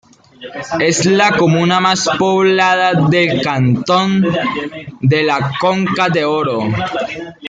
Es la comuna más poblada del cantón de La Conca-d'Oro.